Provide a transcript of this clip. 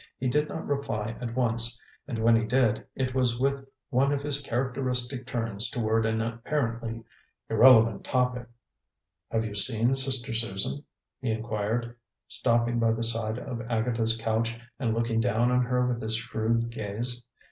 He did not reply at once, and when he did, it was with one of his characteristic turns toward an apparently irrelevant topic. "Have you seen Sister Susan?" he inquired, stopping by the side of Agatha's couch and looking down on her with his shrewd gaze.